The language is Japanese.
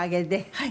はい。